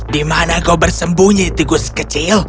di mana kau bersembunyi di tikus kecil